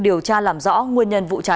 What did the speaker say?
điều tra làm rõ nguyên nhân vụ cháy